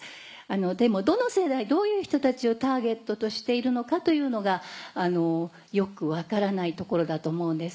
でもどの世代どういう人たちをターゲットとしているのかというのがよく分からないところだと思うんです。